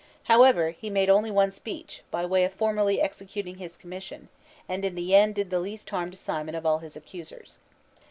However, he made only one speech, by way of formally executing his commission, and in the end did the least harm to Cimon of all his accusers.